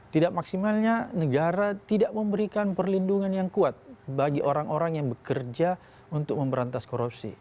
tidak maksimalnya negara tidak memberikan perlindungan yang kuat bagi orang orang yang bekerja untuk memberantas korupsi